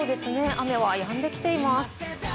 雨はやんできています。